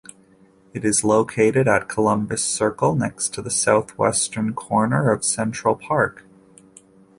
It is located at Columbus Circle, next to the southwestern corner of Central Park.